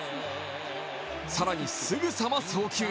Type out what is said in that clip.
更に、すぐさま送球。